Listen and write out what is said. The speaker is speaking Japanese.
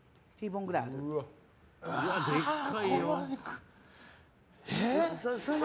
でっかいよ。